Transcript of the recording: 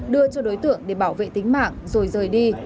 đưa cho đối tượng để bảo vệ tính mạng rồi rời đi